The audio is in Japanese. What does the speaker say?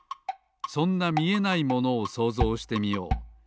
そんなみえないものをそうぞうしてみよう。